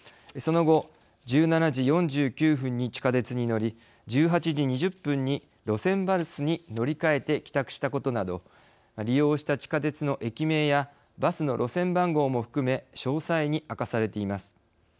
その後１７時４９分に地下鉄に乗り１８時２０分に路線バスに乗り換えて帰宅したことなど利用した地下鉄の駅名やバスの路線番号も含め詳細に明かされています。